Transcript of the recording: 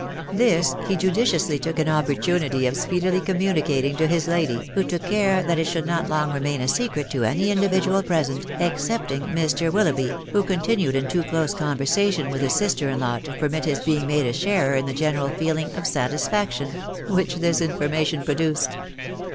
This he judiciously took an opportunity of speedily communicating to his lady, who took care that it should not long remain a secret to any individual present, excepting Mr. Willoughby, who continued in too close conversation with his sister in law to permit his being made a sharer in the general feeling of satisfaction which this information produced.